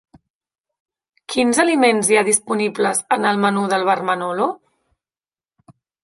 Quins aliments hi ha disponibles en el menú del bar Manolo?